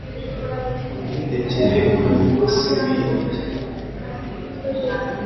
ubindekere umuboss wiriya